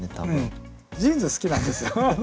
ジーンズ好きなんですよ。